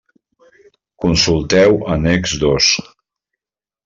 Consulteu Annex dos.